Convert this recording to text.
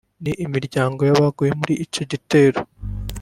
n'imiryango y'abaguye muri icyo gitero